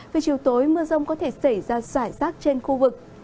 vì chiều tối mưa rông có thể xảy ra xoải rác trên khu vực